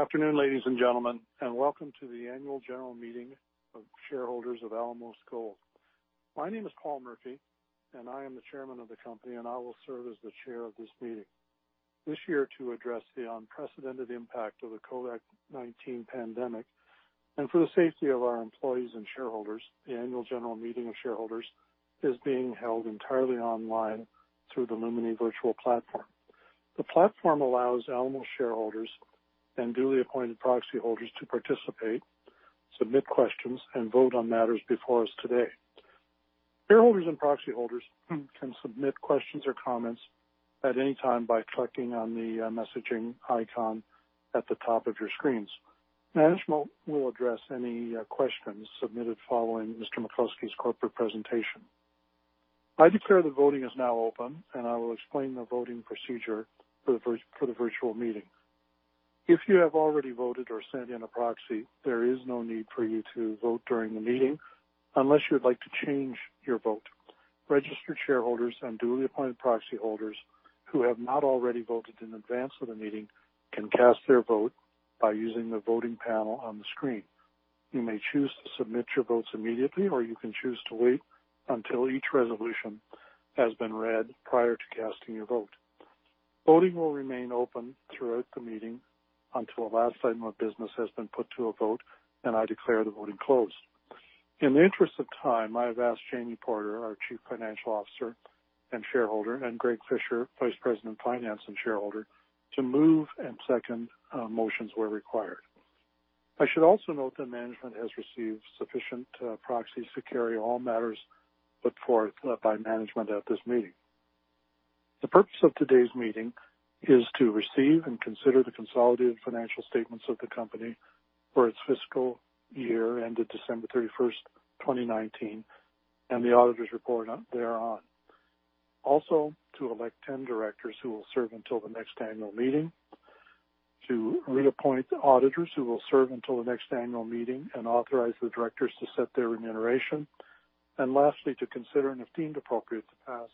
Good afternoon, ladies and gentlemen, and welcome to the annual general meeting of shareholders of Alamos Gold. My name is Paul Murphy, and I am the chairman of the company, and I will serve as the chair of this meeting. This year, to address the unprecedented impact of the COVID-19 pandemic and for the safety of our employees and shareholders, the annual general meeting of shareholders is being held entirely online through the Lumi virtual platform. The platform allows Alamos shareholders and duly appointed proxy holders to participate, submit questions, and vote on matters before us today. Shareholders and proxy holders can submit questions or comments at any time by clicking on the messaging icon at the top of your screens. Management will address any questions submitted following Mr. McCluskey's corporate presentation. I declare the voting is now open, and I will explain the voting procedure for the virtual meeting. If you have already voted or sent in a proxy, there is no need for you to vote during the meeting unless you'd like to change your vote. Registered shareholders and duly appointed proxy holders who have not already voted in advance of the meeting can cast their vote by using the voting panel on the screen. You may choose to submit your votes immediately, or you can choose to wait until each resolution has been read prior to casting your vote. Voting will remain open throughout the meeting until the last item of business has been put to a vote and I declare the voting closed. In the interest of time, I have asked Jamie Porter, our Chief Financial Officer and shareholder, and Greg Fisher, Vice President, Finance, and shareholder, to move and second motions where required. I should also note that management has received sufficient proxies to carry all matters put forth by management at this meeting. The purpose of today's meeting is to receive and consider the consolidated financial statements of the company for its fiscal year ended December 31st, 2019, and the auditor's report thereon. Also, to elect 10 directors who will serve until the next annual meeting, to reappoint auditors who will serve until the next annual meeting, and authorize the directors to set their remuneration. Lastly, to consider, and if deemed appropriate, to pass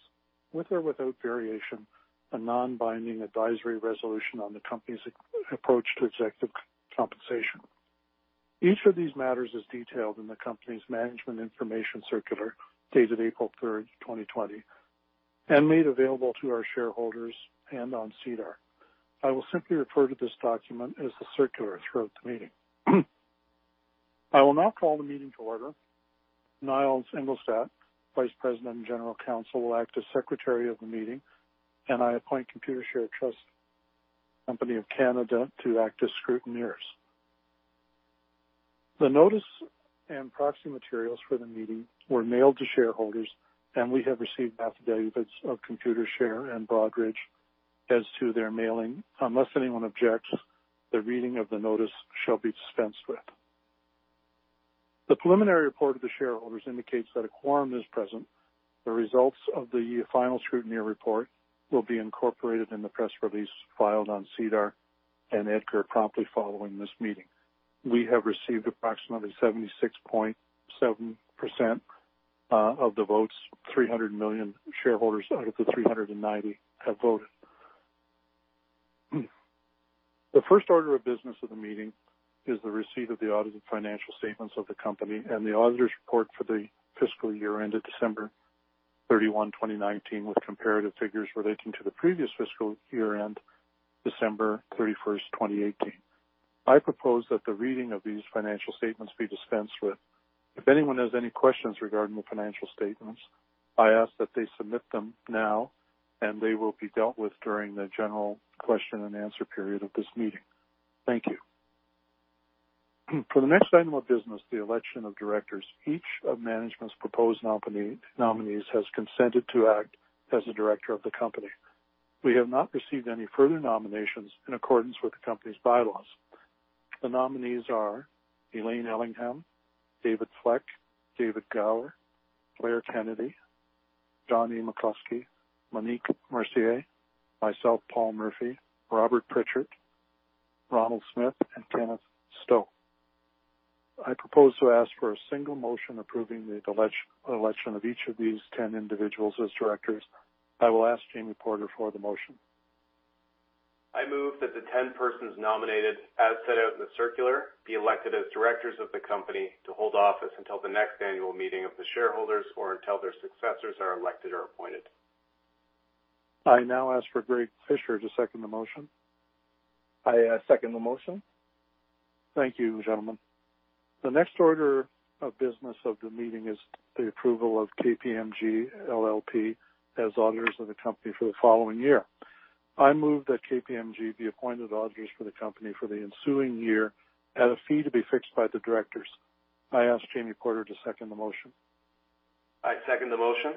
with or without variation, a non-binding advisory resolution on the company's approach to executive compensation. Each of these matters is detailed in the company's management information circular, dated April 3rd, 2020, and made available to our shareholders and on SEDAR. I will simply refer to this document as the circular throughout the meeting. I will now call the meeting to order. Nils Engelstad, Vice President and General Counsel, will act as Secretary of the meeting, and I appoint Computershare Trust Company of Canada to act as scrutineers. The notice and proxy materials for the meeting were mailed to shareholders, and we have received affidavits of Computershare and Broadridge as to their mailing. Unless anyone objects, the reading of the notice shall be dispensed with. The preliminary report of the shareholders indicates that a quorum is present. The results of the final scrutineer report will be incorporated in the press release filed on SEDAR and EDGAR promptly following this meeting. We have received approximately 76.7% of the votes, 300 million shareholders out of the 390 have voted. The first order of business of the meeting is the receipt of the audited financial statements of the company and the auditor's report for the fiscal year ended December 31, 2019, with comparative figures relating to the previous fiscal year end, December 31, 2018. I propose that the reading of these financial statements be dispensed with. If anyone has any questions regarding the financial statements, I ask that they submit them now, and they will be dealt with during the general question and answer period of this meeting. Thank you. For the next item of business, the election of directors, each of management's proposed nominees has consented to act as a director of the company. We have not received any further nominations in accordance with the company's bylaws. The nominees are Elaine Ellingham, David Fleck, David Gower, Claire Kennedy, John A. McCluskey, Monique Mercier, myself, Paul Murphy, Robert Prichard, Ronald Smith, and Kenneth Stowe. I propose to ask for a single motion approving the election of each of these 10 individuals as directors. I will ask Jamie Porter for the motion. I move that the 10 persons nominated, as set out in the circular, be elected as directors of the company to hold office until the next annual meeting of the shareholders or until their successors are elected or appointed. I now ask for Greg Fisher to second the motion. I second the motion. Thank you, gentlemen. The next order of business of the meeting is the approval of KPMG LLP as auditors of the company for the following year. I move that KPMG be appointed auditors for the company for the ensuing year at a fee to be fixed by the directors. I ask Jamie Porter to second the motion. I second the motion.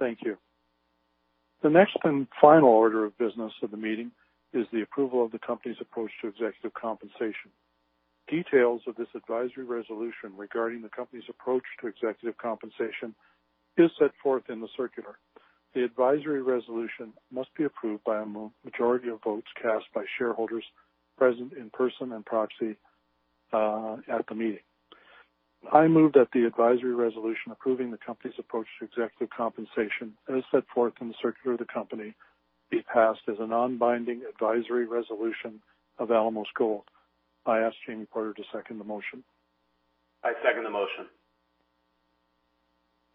Thank you. The next and final order of business of the meeting is the approval of the company's approach to executive compensation. Details of this advisory resolution regarding the company's approach to executive compensation is set forth in the circular. The advisory resolution must be approved by a majority of votes cast by shareholders present in person and proxy, at the meeting. I move that the advisory resolution approving the company's approach to executive compensation, as set forth in the circular of the company, be passed as a non-binding advisory resolution of Alamos Gold. I ask Jamie Porter to second the motion. I second the motion.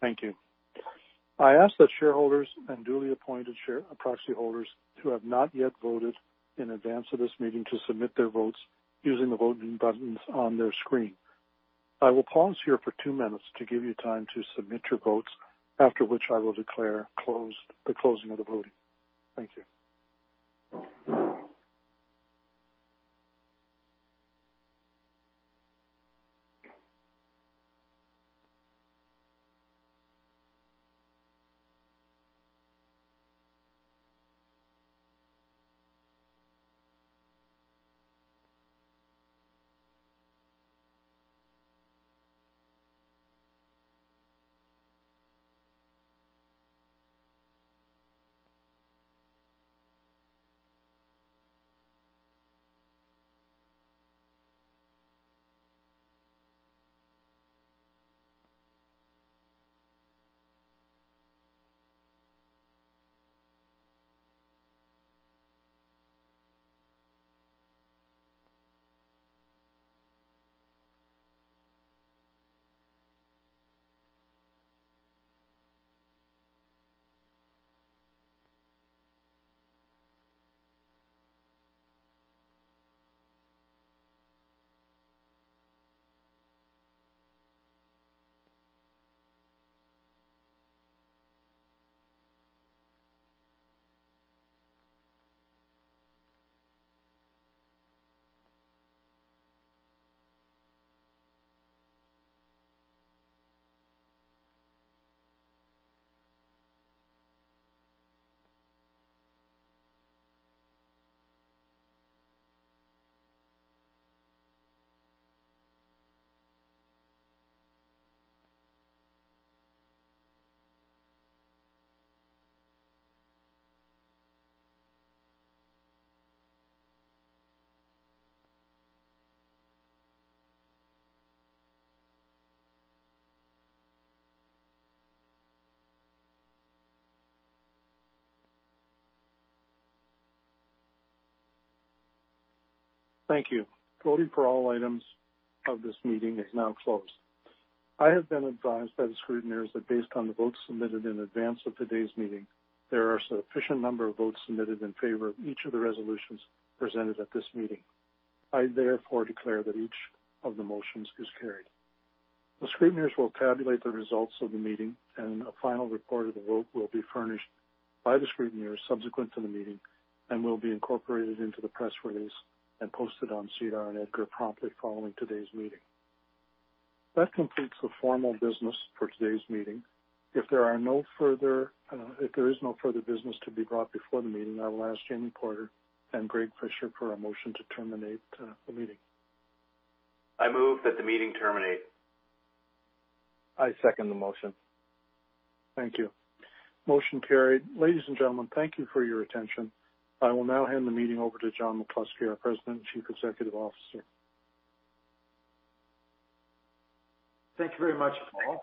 Thank you. I ask that shareholders and duly appointed proxy holders who have not yet voted in advance of this meeting to submit their votes using the voting buttons on their screen. I will pause here for two minutes to give you time to submit your votes, after which I will declare the closing of the voting. Thank you. Thank you. Voting for all items of this meeting is now closed. I have been advised by the scrutineers that based on the votes submitted in advance of today's meeting, there are a sufficient number of votes submitted in favor of each of the resolutions presented at this meeting. I therefore declare that each of the motions is carried. The scrutineers will tabulate the results of the meeting. A final report of the vote will be furnished by the scrutineers subsequent to the meeting and will be incorporated into the press release and posted on SEDAR and EDGAR promptly following today's meeting. That completes the formal business for today's meeting. If there is no further business to be brought before the meeting, I will ask Jamie Porter and Greg Fisher for a motion to terminate the meeting. I move that the meeting terminate. I second the motion. Thank you. Motion carried. Ladies and gentlemen, thank you for your attention. I will now hand the meeting over to John McCluskey, our President and Chief Executive Officer. Thank you very much, Paul.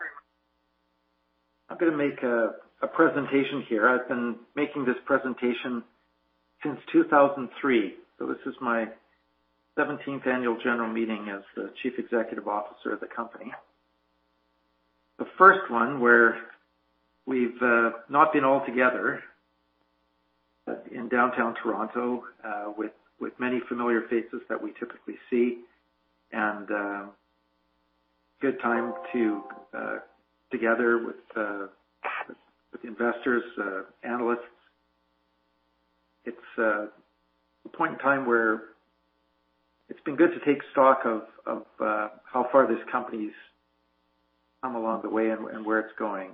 I'm going to make a presentation here. I've been making this presentation since 2003, so this is my 17th annual general meeting as the chief executive officer of the company. The first one where we've not been all together in downtown Toronto with many familiar faces that we typically see, and good time to together with investors, analysts. It's a point in time where it's been good to take stock of how far this company's come along the way and where it's going.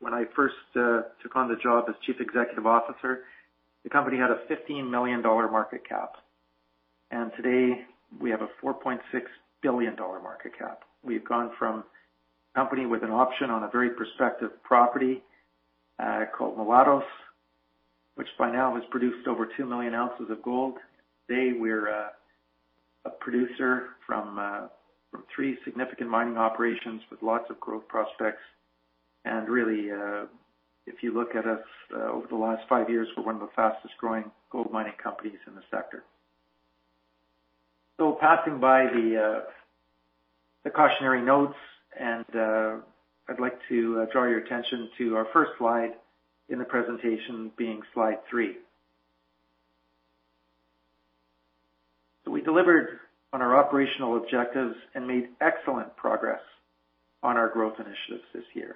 When I first took on the job as chief executive officer, the company had a 15 million dollar market cap. Today we have a 4.6 billion dollar market cap. We've gone from a company with an option on a very prospective property, called Mulatos, which by now has produced over 2 million ounces of gold. Today, we're a producer from three significant mining operations with lots of growth prospects. Really, if you look at us over the last five years, we're one of the fastest growing gold mining companies in the sector. Passing by the cautionary notes, and I'd like to draw your attention to our first slide in the presentation being slide three. We delivered on our operational objectives and made excellent progress on our growth initiatives this year.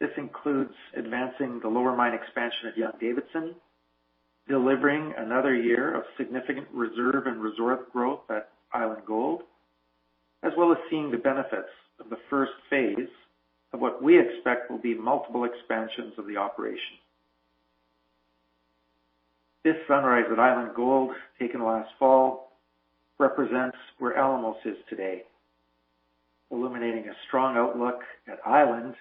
This includes advancing the lower mine expansion at Young-Davidson, delivering another year of significant reserve and resource growth at Island Gold, as well as seeing the benefits of the first phase of what we expect will be multiple expansions of the operation. This sunrise at Island Gold, taken last fall, represents where Alamos is today, illuminating a strong outlook at Island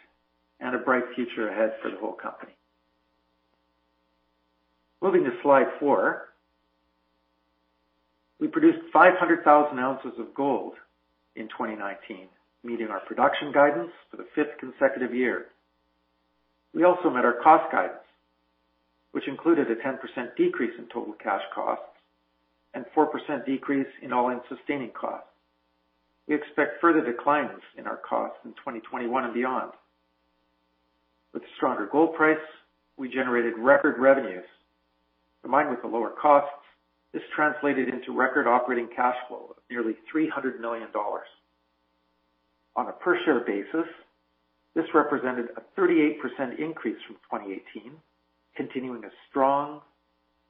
and a bright future ahead for the whole company. Moving to slide four. We produced 500,000 ounces of gold in 2019, meeting our production guidance for the fifth consecutive year. We also met our cost guidance, which included a 10% decrease in total cash costs and 4% decrease in all-in sustaining costs. We expect further declines in our costs in 2021 and beyond. With a stronger gold price, we generated record revenues. Combined with the lower costs, this translated into record operating cash flow of nearly 300 million dollars. On a per-share basis, this represented a 38% increase from 2018, continuing a strong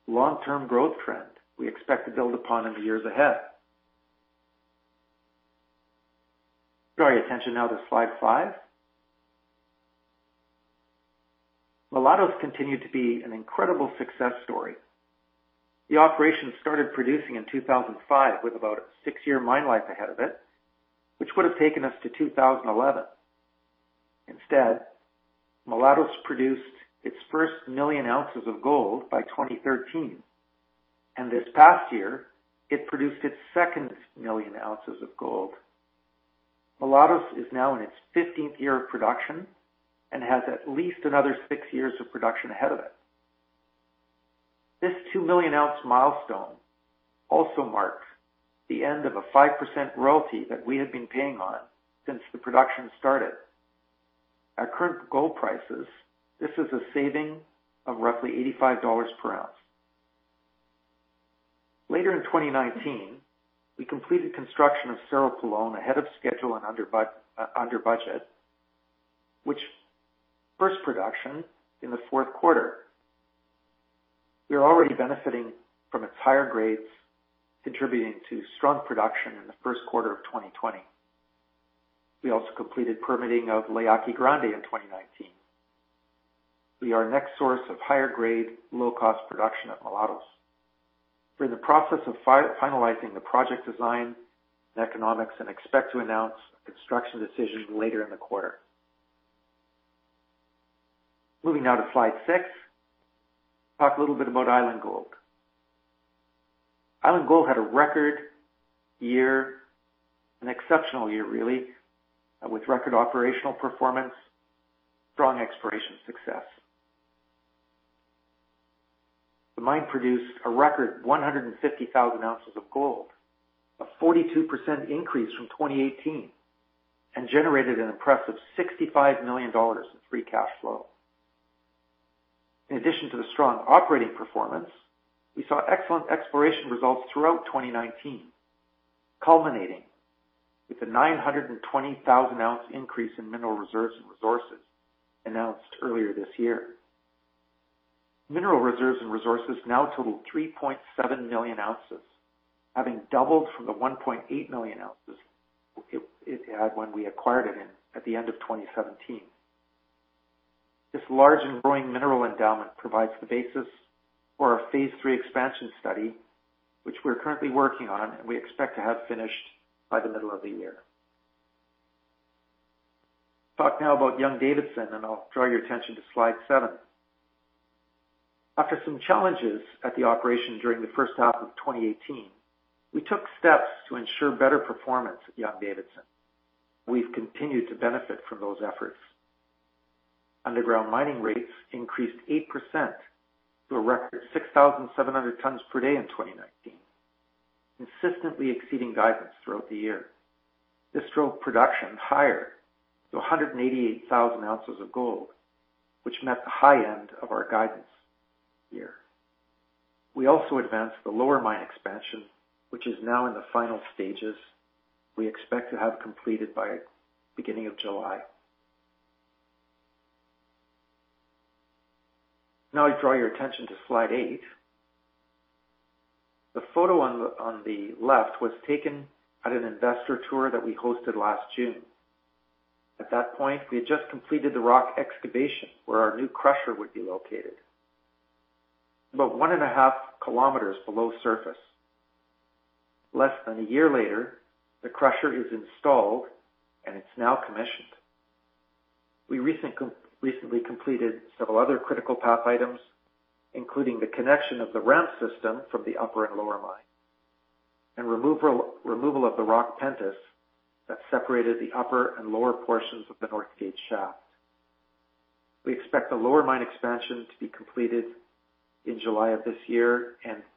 long-term growth trend we expect to build upon in the years ahead. Draw your attention now to slide five. Mulatos continued to be an incredible success story. The operation started producing in 2005 with about a six-year mine life ahead of it, which would have taken us to 2011. Instead, Mulatos produced its first million ounces of gold by 2013, and this past year it produced its second million ounces of gold. Mulatos is now in its 15th year of production and has at least another six years of production ahead of it. This two-million-ounce milestone also marks the end of a 5% royalty that we have been paying on since the production started. At current gold prices, this is a saving of roughly 85 dollars per ounce. Later in 2019, we completed construction of Cerro Pelon ahead of schedule and under budget, which first production in the fourth quarter. We are already benefiting from its higher grades, contributing to strong production in the first quarter of 2020. We also completed permitting of La Yaqui Grande in 2019. Be our next source of higher grade, low cost production at Mulatos. We're in the process of finalizing the project design and economics and expect to announce a construction decision later in the quarter. Moving now to slide six. Talk a little bit about Island Gold. Island Gold had a record year, an exceptional year really, with record operational performance, strong exploration success. The mine produced a record 150,000 ounces of gold, a 42% increase from 2018, and generated an impressive 65 million dollars in free cash flow. In addition to the strong operating performance, we saw excellent exploration results throughout 2019, culminating with a 920,000-ounce increase in mineral reserves and resources announced earlier this year. Mineral reserves and resources now total 3.7 million ounces, having doubled from the 1.8 million ounces it had when we acquired it at the end of 2017. This large and growing mineral endowment provides the basis for our Phase III Expansion Study, which we're currently working on and we expect to have finished by the middle of the year. Talk now about Young-Davidson. I'll draw your attention to slide seven. After some challenges at the operation during the first half of 2018, we took steps to ensure better performance at Young-Davidson. We've continued to benefit from those efforts. Underground mining rates increased 8% to a record 6,700 tons per day in 2019, consistently exceeding guidance throughout the year. This drove production higher to 188,000 ounces of gold, which met the high end of our guidance year. We also advanced the lower mine expansion, which is now in the final stages. We expect to have completed by beginning of July. I draw your attention to slide eight. The photo on the left was taken at an investor tour that we hosted last June. At that point, we had just completed the rock excavation where our new crusher would be located, about one and a half kilometers below surface. Less than a year later, the crusher is installed and it's now commissioned. We recently completed several other critical path items, including the connection of the ramp system from the upper and lower mine, and removal of the rock pentice that separated the upper and lower portions of the Northgate shaft.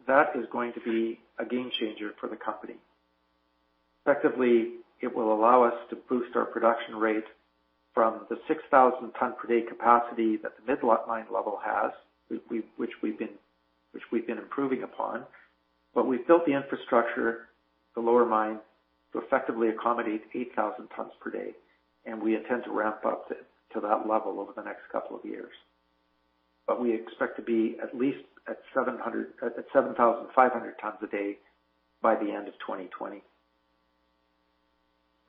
That is going to be a game changer for the company. Effectively, it will allow us to boost our production rate from the 6,000 tons per day capacity that the mid lot mine level has, which we've been improving upon. We've built the infrastructure, the lower mine, to effectively accommodate 8,000 tons per day, and we intend to ramp up to that level over the next couple of years. We expect to be at least at 7,500 tons a day by the end of 2020.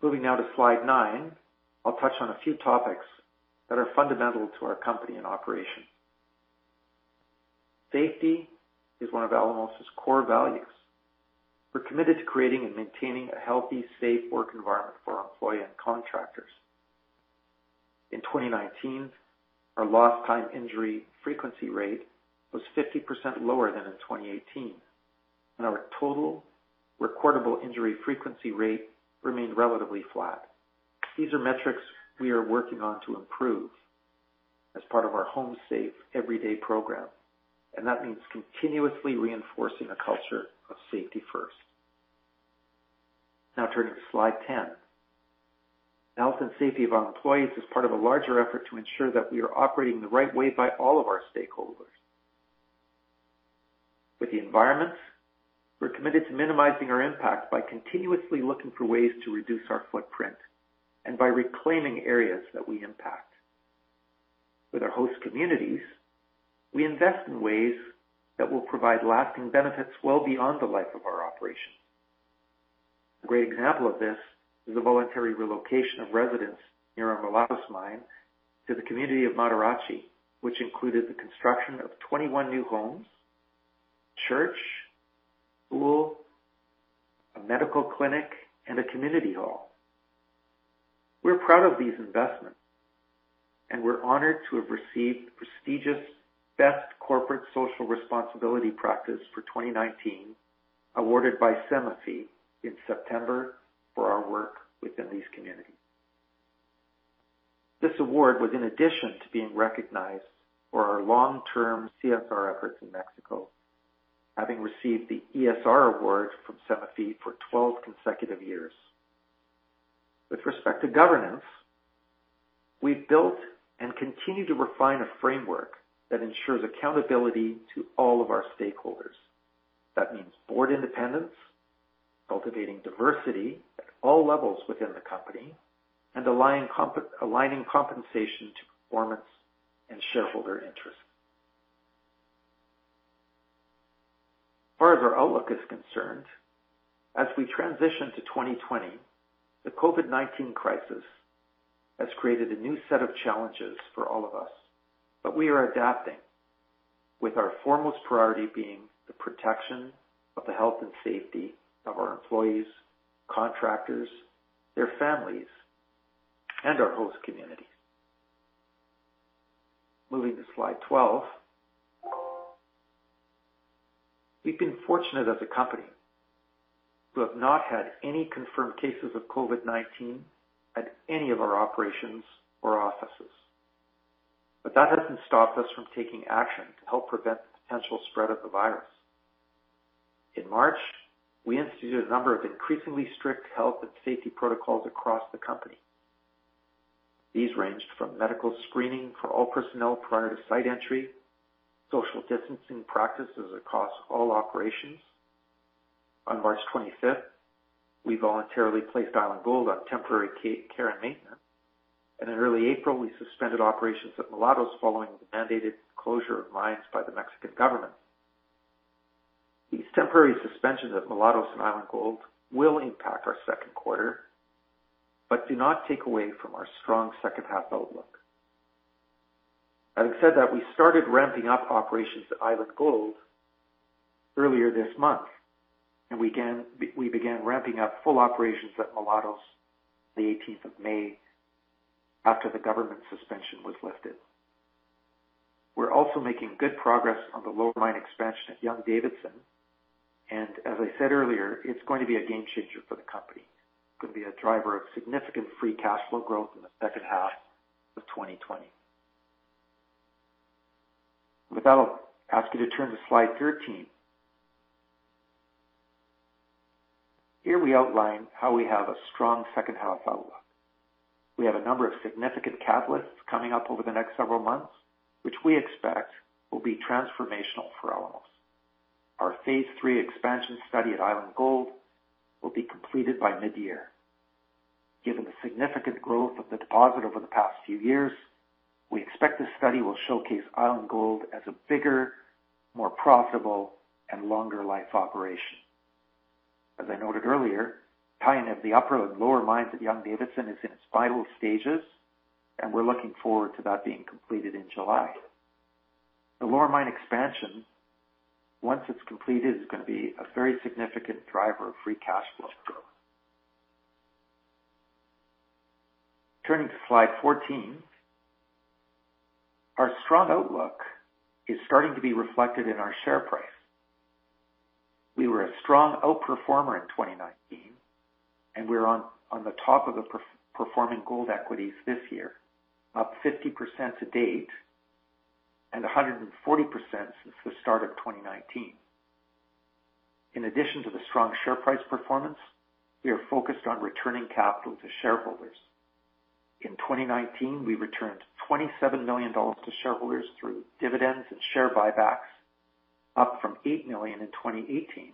Moving now to slide nine. I'll touch on a few topics that are fundamental to our company and operation. Safety is one of Alamos' core values. We're committed to creating and maintaining a healthy, safe work environment for our employee and contractors. In 2019, our lost time injury frequency rate was 50% lower than in 2018, and our total recordable injury frequency rate remained relatively flat. These are metrics we are working on to improve as part of our Home Safe Every Day program, and that means continuously reinforcing a culture of safety first. Now turning to slide 10. The health and safety of our employees is part of a larger effort to ensure that we are operating the right way by all of our stakeholders. With the environment, we're committed to minimizing our impact by continuously looking for ways to reduce our footprint and by reclaiming areas that we impact. With our host communities, we invest in ways that will provide lasting benefits well beyond the life of our operation. A great example of this is the voluntary relocation of residents near our Mulatos mine to the community of Matarachi, which included the construction of 21 new homes, a church, a school, a medical clinic, and a community hall. We're proud of these investments, and we're honored to have received the prestigious Best Corporate Social Responsibility Practice for 2019, awarded by CEMEFI in September for our work within these communities. This award was in addition to being recognized for our long-term CSR efforts in Mexico, having received the ESR award from CEMEFI for 12 consecutive years. With respect to governance, we've built and continue to refine a framework that ensures accountability to all of our stakeholders. That means board independence, cultivating diversity at all levels within the company, and aligning compensation to performance and shareholder interest. As far as our outlook is concerned, as we transition to 2020, the COVID-19 crisis has created a new set of challenges for all of us, but we are adapting, with our foremost priority being the protection of the health and safety of our employees, contractors, their families, and our host communities. Moving to slide 12. We've been fortunate as a company to have not had any confirmed cases of COVID-19 at any of our operations or offices. That hasn't stopped us from taking action to help prevent the potential spread of the virus. In March, we instituted a number of increasingly strict health and safety protocols across the company. These ranged from medical screening for all personnel prior to site entry, social distancing practices across all operations. On March 25th, we voluntarily placed Island Gold on temporary care and maintenance, and in early April, we suspended operations at Mulatos following the mandated closure of mines by the Mexican government. These temporary suspensions at Mulatos and Island Gold will impact our second quarter but do not take away from our strong second half outlook. Having said that, we started ramping up operations at Island Gold earlier this month, and we began ramping up full operations at Mulatos on the 18th of May after the government suspension was lifted. We're also making good progress on the lower mine expansion at Young-Davidson, and as I said earlier, it's going to be a game changer for the company. It's going to be a driver of significant free cash flow growth in the second half of 2020. With that, I'll ask you to turn to slide 13. Here we outline how we have a strong second half outlook. We have a number of significant catalysts coming up over the next several months, which we expect will be transformational for Alamos. Our Phase III Expansion Study at Island Gold will be completed by mid-year. Given the significant growth of the deposit over the past few years, we expect this study will showcase Island Gold as a bigger, more profitable, and longer life operation. As I noted earlier, tying of the upper and lower mines at Young-Davidson is in its final stages, and we're looking forward to that being completed in July. The lower mine expansion, once it's completed, is going to be a very significant driver of free cash flow growth. Turning to slide 14. Our strong outlook is starting to be reflected in our share price. We were a strong outperformer in 2019, and we're on the top of the performing gold equities this year, up 50% to date and 140% since the start of 2019. In addition to the strong share price performance, we are focused on returning capital to shareholders. In 2019, we returned 27 million dollars to shareholders through dividends and share buybacks, up from 8 million in 2018.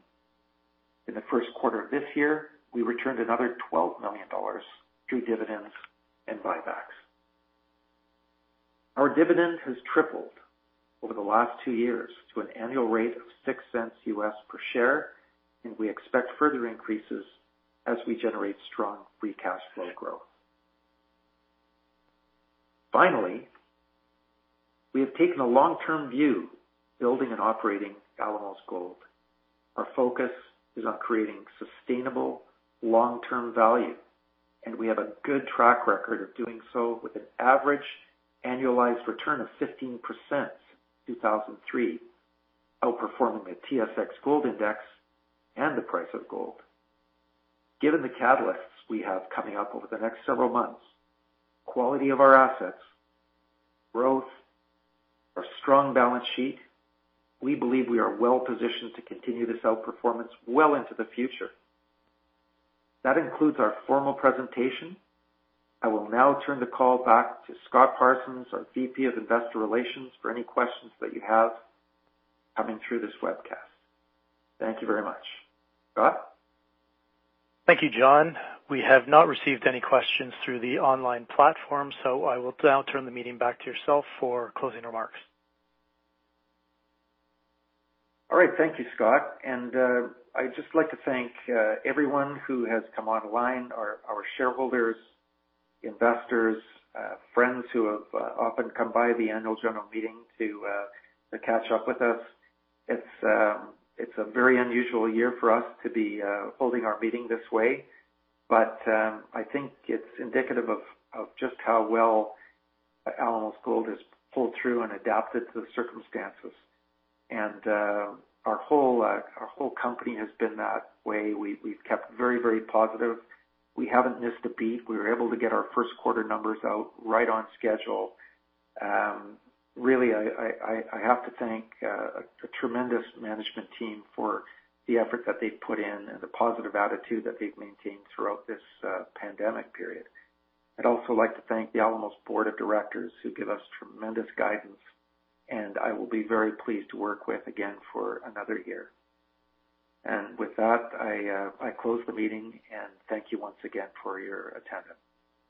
In the first quarter of this year, we returned another 12 million dollars through dividends and buybacks. Our dividend has tripled over the last two years to an annual rate of $0.06 per share, and we expect further increases as we generate strong free cash flow growth. Finally, we have taken a long-term view building and operating Alamos Gold. Our focus is on creating sustainable long-term value, and we have a good track record of doing so with an average annualized return of 15% since 2003, outperforming the TSX Gold Index and the price of gold. Given the catalysts we have coming up over the next several months, quality of our assets, growth, our strong balance sheet, we believe we are well positioned to continue this outperformance well into the future. That concludes our formal presentation. I will now turn the call back to Scott Parsons, our VP of Investor Relations, for any questions that you have coming through this webcast. Thank you very much. Scott? Thank you, John. We have not received any questions through the online platform, so I will now turn the meeting back to yourself for closing remarks. All right. Thank you, Scott. I'd just like to thank everyone who has come online, our shareholders, investors, friends who have often come by the annual general meeting to catch up with us. It's a very unusual year for us to be holding our meeting this way. I think it's indicative of just how well Alamos Gold has pulled through and adapted to the circumstances. Our whole company has been that way. We've kept very positive. We haven't missed a beat. We were able to get our first quarter numbers out right on schedule. Really, I have to thank a tremendous management team for the effort that they've put in and the positive attitude that they've maintained throughout this pandemic period. I'd also like to thank the Alamos Board of Directors who give us tremendous guidance. I will be very pleased to work with again for another year. With that, I close the meeting and thank you once again for your attendance.